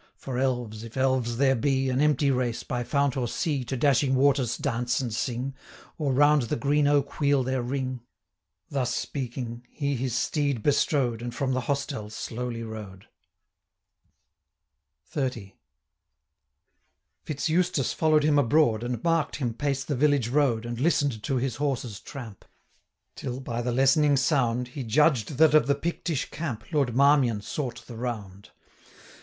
for elves, if elves there be, An empty race, by fount or sea, 565 To dashing waters dance and sing, Or round the green oak wheel their ring.' Thus speaking, he his steed bestrode, And from the hostel slowly rode. XXX. Fitz Eustace follow'd him abroad, 570 And mark'd him pace the village road, And listen'd to his horse's tramp, Till, by the lessening sound, He judged that of the Pictish camp Lord Marmion sought the round.